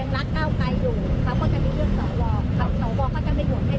แม่ก็อยากจะฝากให้บอกว่า